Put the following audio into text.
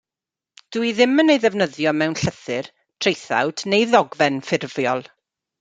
Dw i ddim yn ei ddefnyddio mewn llythyr, traethawd neu ddogfen ffurfiol.